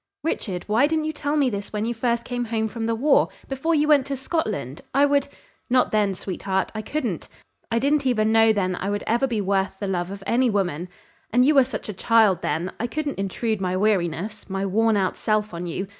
"Richard, why didn't you tell me this when you first came home from the war before you went to Scotland? I would " "Not then, sweetheart; I couldn't. I didn't even know then I would ever be worth the love of any woman; and you were such a child then I couldn't intrude my weariness my worn out self on you.